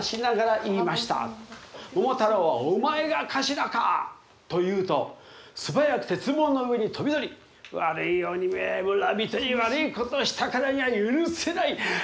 桃太郎は『お前が頭か！』と言うと素早く鉄棒の上に飛び乗り『悪い鬼め村人に悪いことをしたからには許せない！